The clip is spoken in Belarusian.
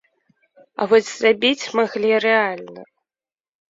А вось забіць маглі рэальна.